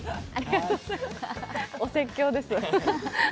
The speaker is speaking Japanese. お説教ですよね。